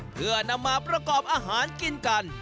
เพื่อนำมาประกอบอาหารกินกัน